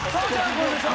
これでしょ？